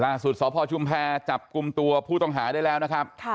สพชุมแพรจับกลุ่มตัวผู้ต้องหาได้แล้วนะครับ